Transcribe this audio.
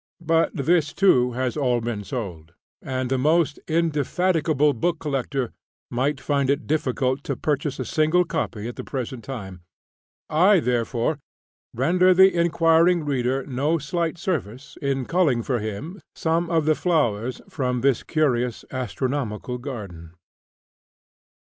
But this, too, has all been sold; and the most indefatigable book collector might find it difficult to purchase a single copy at the present time. I, therefore, render the inquiring reader no slight service in culling for him some of the flowers from this curious astronomical garden.